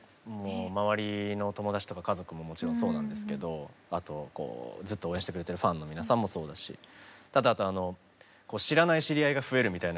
周りの友達とか家族ももちろんそうなんですけどずっと応援してくれてるファンの皆さんもそうだし知らない親戚が増えるみたいな。